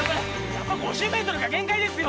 やっぱ５０メートルが限界ですよ。